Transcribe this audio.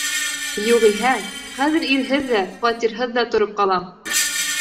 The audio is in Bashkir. Юғиһә, хәҙер ирһеҙ ҙә, фатирһыҙ ҙа тороп ҡалам!